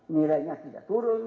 nilainya tidak turun